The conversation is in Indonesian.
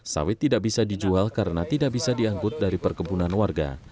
sawit tidak bisa dijual karena tidak bisa diangkut dari perkebunan warga